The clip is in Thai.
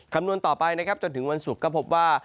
คำนวณต่อไปนะครับจนถึงวันศุกร์ก็พบว่า